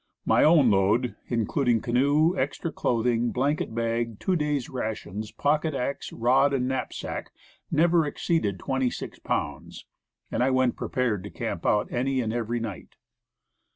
My own load, including canoe, extra clothing, blanket bag, two days' rations, pocket axe, rod and knapsack, never exceeded 26 pounds; and I went prepared to camp out any and every night.